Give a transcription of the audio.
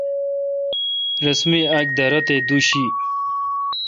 رس می اک دارہ تے دوُشی